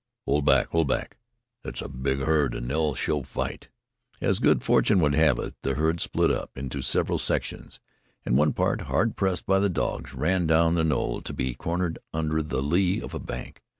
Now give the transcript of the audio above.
"Hold back! Hold back! Thet's a big herd, an' they'll show fight." As good fortune would have it, the herd split up into several sections, and one part, hard pressed by the dogs, ran down the knoll, to be cornered under the lee of a bank.